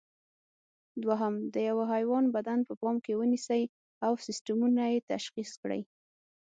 دوهم: د یوه حیوان بدن په پام کې ونیسئ او سیسټمونه یې تشخیص کړئ.